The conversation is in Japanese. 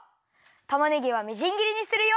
たまねぎはみじんぎりにするよ。